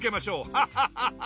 ハハハハ！